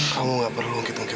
kamu nggak perlu mengikuti lagi